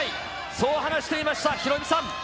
そう話していましたヒロミさん。